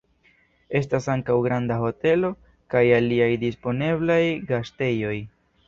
Estas ankaŭ granda hotelo kaj aliaj disponeblaj gastejoj.